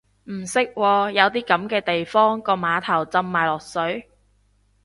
唔識喎，有啲噉嘅地方個碼頭浸埋落水？